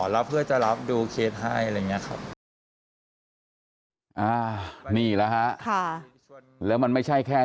รับเพื่อจะรับดูเคสให้อะไรอย่างนี้แล้วมันไม่ใช่แค่